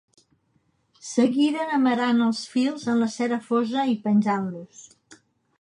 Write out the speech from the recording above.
Seguiren amerant els fils en la cera fosa i penjant-los.